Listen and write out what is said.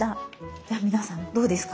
じゃあ皆さんどうですか？